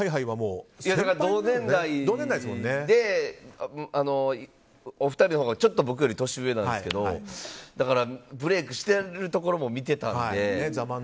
同年代で、お二人のほうがちょっと僕より年上なんですけどだからブレークしてるところも見てたので。